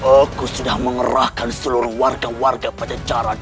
aku sudah mengerahkan seluruh warga warga pajacaran